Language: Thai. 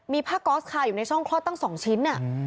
มีผ้าก๊อสคาอยู่ในช่องคลอดตั้ง๒ชิ้น